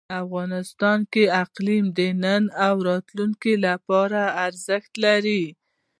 افغانستان کې اقلیم د نن او راتلونکي لپاره ارزښت لري.